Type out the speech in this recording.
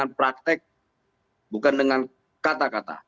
bukan praktek bukan dengan kata kata